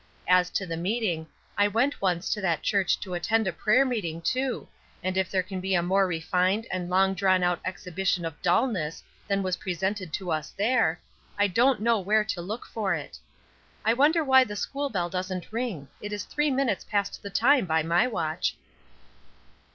As to the meeting, I went once to that church to attend a prayer meeting, too, and if there can be a more refined and long drawn out exhibition of dullness than was presented to us there, I don't know where to look for it. I wonder why the school bell doesn't ring? It is three minutes past the time by my watch."